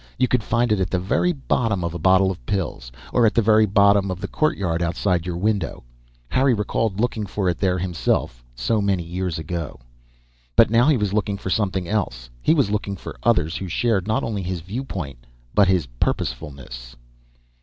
You could find it at the very bottom of a bottle of pills or at the very bottom of the courtyard outside your window. Harry recalled looking for it there himself, so many years ago. But now he was looking for something else. He was looking for others who shared not only his viewpoint but his purposefulness.